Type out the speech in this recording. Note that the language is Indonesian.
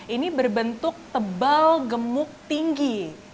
ini berbentuk tebal gemuk tinggi